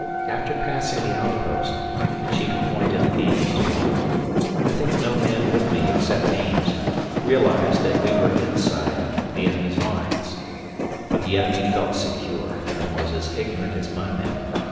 After passing the outpost the chief point in the game was won. I think no man with me, except Ames, realized that we were inside the enemy's lines. But the enemy felt secure and was as ignorant as my men.